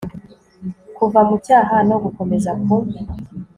kuva mu cyaha, no gukomera ku